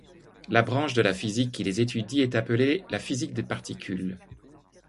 La branche de la physique qui les étudie est appelée la physique des particules.